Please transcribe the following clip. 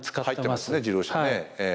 入ってますね自動車ね。